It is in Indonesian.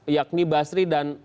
yakni basri dan